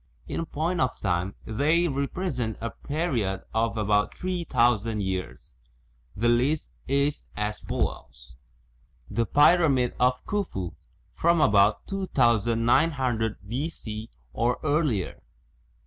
In point of time they represent a period of about three thousand years. The list is as follows : The Pyramid of Khufu, from about 2900 B.C., or earlier.